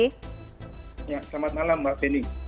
selamat malam mbak penny